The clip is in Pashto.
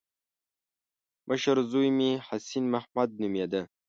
مشر زوی مې حسين محمد نومېده.